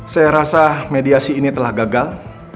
saya rasa mediasi ini telah gagal